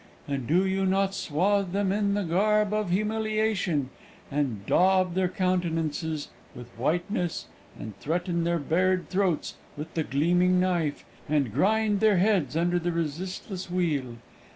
And do you not swathe them in the garb of humiliation, and daub their countenances with whiteness, and threaten their bared throats with the gleaming knife, and grind their heads under the resistless wheel?